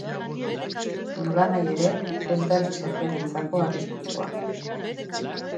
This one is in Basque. Nolanahi ere, ez da gizakiarentzako arriskutsua.